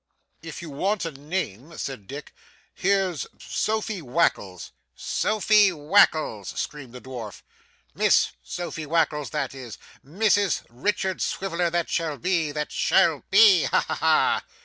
'If you want a name,' said Dick, 'here's Sophy Wackles.' 'Sophy Wackles,' screamed the dwarf, 'Miss Sophy Wackles that is Mrs Richard Swiveller that shall be that shall be ha ha ha!